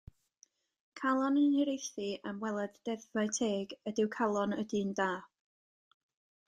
Calon yn hiraethu am weled deddfau teg ydyw calon y dyn da.